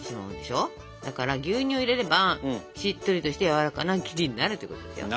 だから牛乳入れればしっとりとしてやわらかな生地になるということですよ。